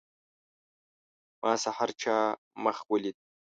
ما سحر چا مخ ولید.